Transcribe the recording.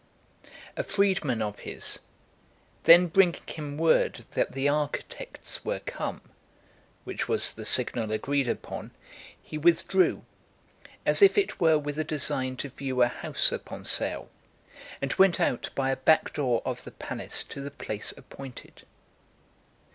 A freedman of his, then bringing (420) him word that the architects were come, which was the signal agreed upon, he withdrew, as if it were with a design to view a house upon sale, and went out by a back door of the palace to the place appointed.